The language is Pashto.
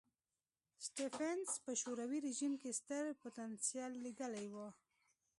سټېفنس په شوروي رژیم کې ستر پوتنشیل لیدلی و.